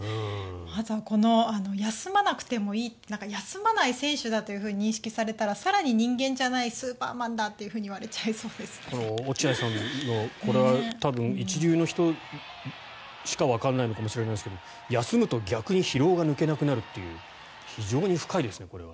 またこの休まなくてもいい休まない選手だと認識されたら、更に人間じゃないスーパーマンだと落合さんのこれは多分一流の人しかわからないのかもしれないですが休むと逆に疲労が抜けなくなるという非常に深いですね、これは。